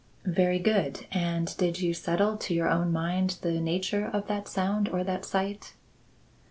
"Very good; and did you settle to your own mind the nature of that sound or that sight?"